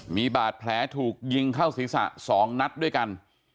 มีบาดแผลถูกยิงเข้าศีรษะ๒นัดด้วยกัน